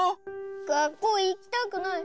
がっこういきたくない。